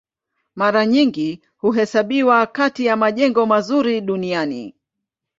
Mara nyingi huhesabiwa kati ya majengo mazuri duniani.